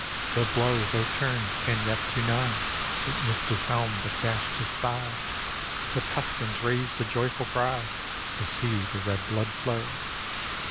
The blow, though turned, came yet too nigh ; It missed his helm, but gashed his thigh: The Tuscans raised a joyful cry To see the red blood flow.